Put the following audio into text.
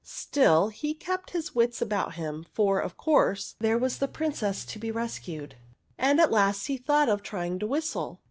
Still, he kept his wits about him, for, of course, there was the Prin OF THE WILLOW HERB IS cess to be rescued, and at last he thought of trying to whistle.